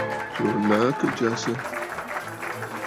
Tsùù nàa kɨ jasə.